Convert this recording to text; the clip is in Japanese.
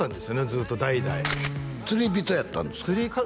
ずっと代々釣り人やったんですか？